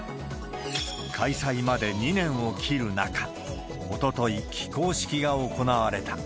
開催まで２年を切る中、おととい、起工式が行われた。